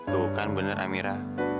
tuh kan bener amira